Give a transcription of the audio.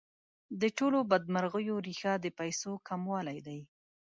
د ټولو بدمرغیو ریښه د پیسو کموالی دی.